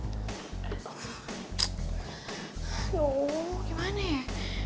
aduh gimana ya